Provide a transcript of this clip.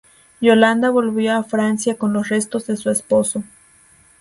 Yolanda volvió a Francia con los restos de su esposo.